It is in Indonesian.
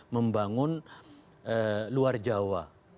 membangun luar jawa